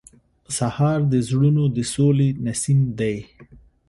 سهار د زړونو د سولې نسیم دی.